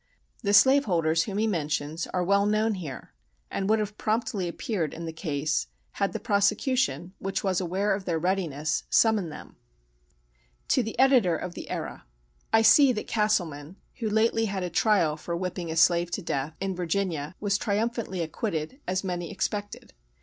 The slave holders whom he mentions are well known here, and would have promptly appeared in the case, had the prosecution, which was aware of their readiness, summoned them. "To the Editor of the Era: "I see that Castleman, who lately had a trial for whipping a slave to death, in Virginia, was 'triumphantly acquitted,'—as many expected.